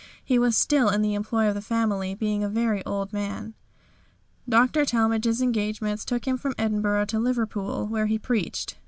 He was still in the employ of the family, being a very old man. Dr. Talmage's engagements took him from Edinburgh to Liverpool, where he preached.